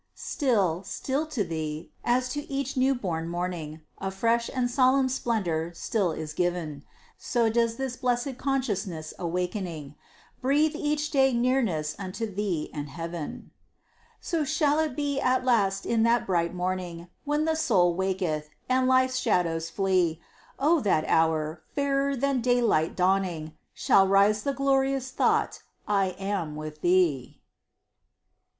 Still, still to Thee, as to each new born morning, A fresh and solemn splendor still is giv'n, So does this blessed consciousness awaking, Breathe each day nearness unto Thee and heav'n. So shall it be at last in that bright morning, When the soul waketh, and life's shadows flee; O in that hour, fairer than daylight dawning, Shall rise the glorious thought I am with Thee.